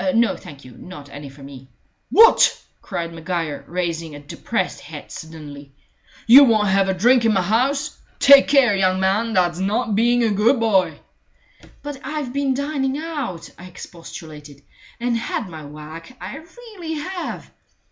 No, thank you not any for me." "What!" cried Maguire, raising a depressed head suddenly. "You won't have a drink in my house? Take care, young man. That's not being a good boy!" "But I've been dining out," I expostulated, "and had my whack. I really have."